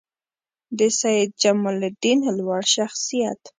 د سیدجمالدین لوړ شخصیت